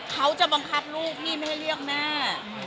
เขาจะบังคับลูกพี่ไม่ให้เรียกแม่